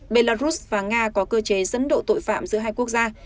belarus và nga có cơ chế dẫn độ tội phạm giữa hai quốc gia